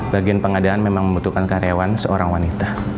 bagian pengadaan memang membutuhkan karyawan seorang wanita